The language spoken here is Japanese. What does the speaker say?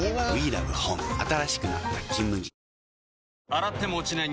洗っても落ちない